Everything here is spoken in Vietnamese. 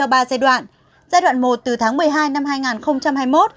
ba giai đoạn giai đoạn một từ tháng một mươi hai năm hai nghìn hai mươi một